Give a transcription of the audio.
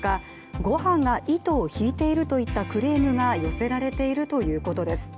ごはんが糸を引いているといったクレームが寄せられているということです。